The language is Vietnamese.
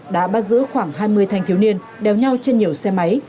đã bắt giữ khoảng hai mươi thanh thiếu niên đeo nhau trên nhiều xe máy